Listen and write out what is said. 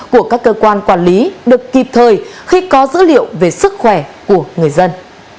của các cơ quan quản lý được kịp thời khi có dữ liệu về sức khỏe của người dân